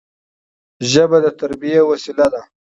ژبه د تربيي وسیله ده.